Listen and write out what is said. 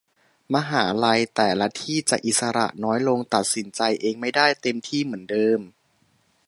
มหาลัยแต่ละที่จะอิสระน้อยลงตัดสินใจเองไม่ได้เต็มที่เหมือนเดิม